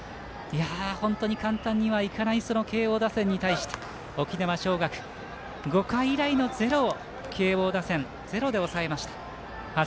本当に簡単にはいかない慶応打線に対して沖縄尚学、５回以来のゼロを慶応打線、ゼロで抑えました。